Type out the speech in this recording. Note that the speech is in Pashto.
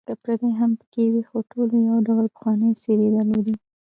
که پردي هم پکې وې، خو ټولو یو ډول پخوانۍ څېرې درلودې.